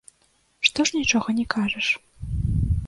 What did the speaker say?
Што ж нічога не кажаш?